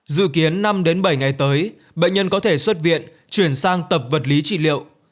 dự kiến năm bảy ngày tới bệnh nhân có thể xuất viện chuyển sang tập vật lý trị liệu